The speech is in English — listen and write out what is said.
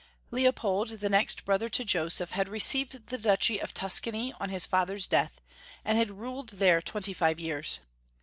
LEOPOLD, the next brother to Joseph, had received the duchy of Tuscany on his father's death, and had ruled there twenty five years.